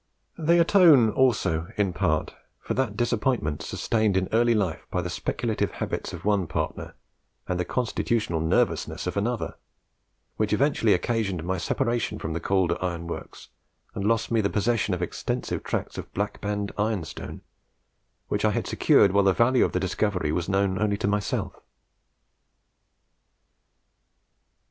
They atone also, in part, for that disappointment sustained in early life by the speculative habits of one partner, and the constitutional nervousness of another, which eventually occasioned my separation from the Calder Iron Works, and lost me the possession of extensive tracts of Black Band iron stone, which I had secured while the value of the discovery was known only to myself."